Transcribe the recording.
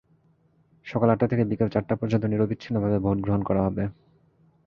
সকাল আটটা থেকে বিকেল চারটা পর্যন্ত নিরবচ্ছিন্নভাবে ভোট গ্রহণ করা হবে।